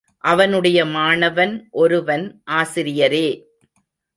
அவனுடைய மாணவன் ஒருவன் ஆசிரியரே!